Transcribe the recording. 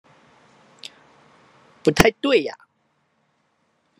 不太對啊！